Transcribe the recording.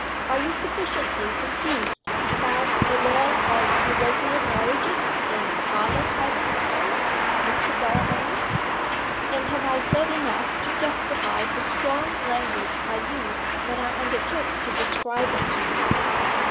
Are you sufficiently confused about the law of Irregular Marriages in Scotland by this time, Mr. Delamayn? And have I said enough to justify the strong language I used when I undertook to describe it to you?"